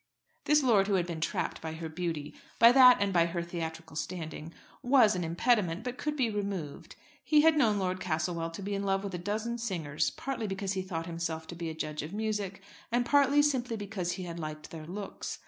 This lord who had been trapped by her beauty, by that and by her theatrical standing, was an impediment, but could be removed. He had known Lord Castlewell to be in love with a dozen singers, partly because he thought himself to be a judge of music, and partly simply because he had liked their looks.